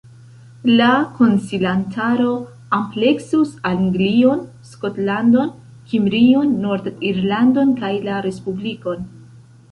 La konsilantaro ampleksus Anglion, Skotlandon, Kimrion, Nord-Irlandon kaj la Respublikon.